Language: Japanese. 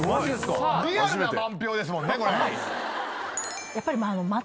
リアルな満票ですもんね。